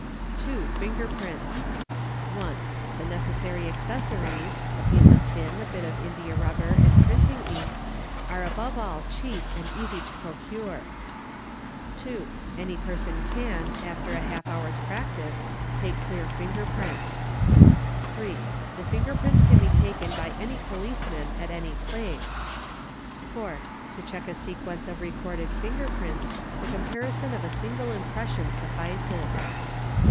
"4 2. Finger Prints. _] 7 _ 1. The necessary accessories—a piece of tin, a bit of indiarubber and printing ink, are above all cheap and easy to procure. _ 2. Any person can after half an hour's practice take clear finger prints. _ 3. The finger prints can be taken by any policeman at any place. ' 978 THE EXPERT 4. To check a sequence of recorded finger prints, the comparison of a single impression suffices.